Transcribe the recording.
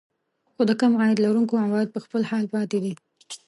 خو د کم عاید لرونکو عوايد په خپل حال پاتې دي